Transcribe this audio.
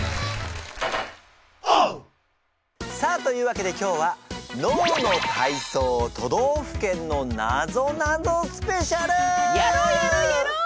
さあというわけで今日はやろうやろうやろう！